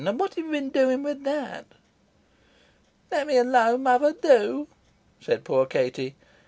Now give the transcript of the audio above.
And what have you been doing with that?" "Let me alone, mother, do," said poor Katie.